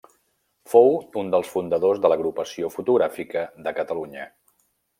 Fou un dels fundadors de l'Agrupació Fotogràfica de Catalunya.